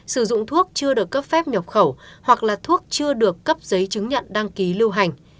sử dụng thuốc chưa được cấp phép nhập khẩu hoặc là thuốc chưa được cấp giấy chứng nhận đăng ký lưu hành